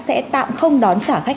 sẽ tạm không đón trả khách